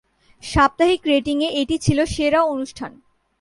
সাপ্তাহিক রেটিং এ এটি ছিল সেরা অনুষ্ঠান।